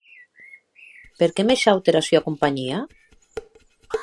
Perque me shaute era sua companhia?